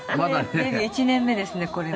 デビュー１年目ですねこれは。